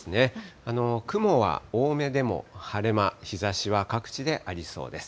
雲は多めでも晴れ間、日ざしは各地でありそうです。